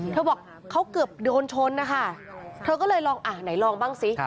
เขาบอกเขาเกือบโดนชนนะคะเธอก็เลยลองอ่ะไหนลองบ้างสิ